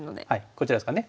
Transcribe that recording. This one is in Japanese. こちらですかね。